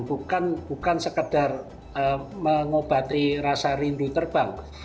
bukan sekedar mengobati rasa rindu terbang